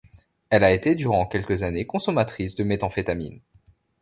Elle a été durant quelques années consommatrice de méthamphétamine.